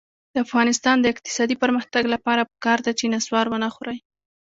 د افغانستان د اقتصادي پرمختګ لپاره پکار ده چې نصوار ونه خورئ.